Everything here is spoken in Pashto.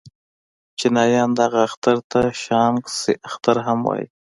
چينایان دغه اختر ته شانګ سه اختر هم وايي.